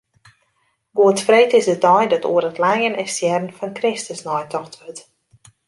Goedfreed is de dei dat oer it lijen en stjerren fan Kristus neitocht wurdt.